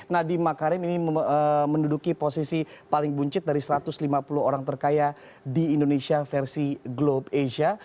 nadiem makarim ini menduduki posisi paling buncit dari satu ratus lima puluh orang terkaya di indonesia versi globe asia